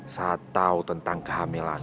saat tau tentang kehamilan